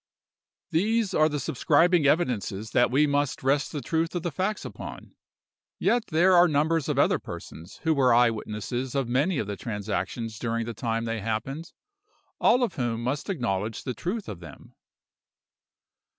"These are the subscribing evidences that we must rest the truth of the facts upon; yet there are numbers of other persons who were eye witnesses of many of the transactions during the time they happened, all of whom must acknowledge the truth of them.